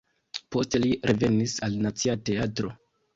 Poste li revenis al Nacia Teatro.